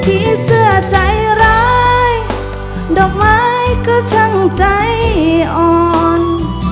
ผีเสื้อใจร้ายดอกไม้ก็ช่างใจอ่อน